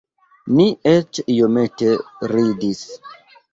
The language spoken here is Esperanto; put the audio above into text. Ni eĉ iomete ridis.